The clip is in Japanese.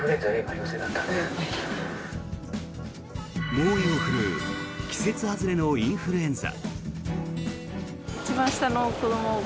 猛威を振るう季節外れのインフルエンザ。